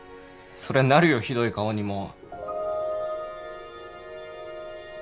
そりゃなるよひどい顔にも。